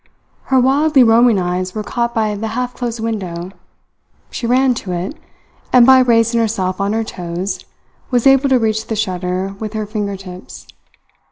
Her wildly roaming eyes were caught by the half closed window. She ran to it, and by raising herself on her toes was able to reach the shutter with her fingertips.